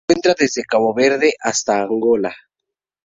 Se encuentra desde Cabo Verde hasta Angola.